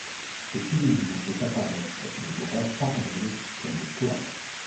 Cette illusion fait apparaître des droites parallèles comme des courbes.